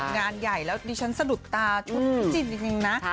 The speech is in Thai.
งานใหญ่แล้วดิฉันสะดุดตาชุดพี่จินจริงนะ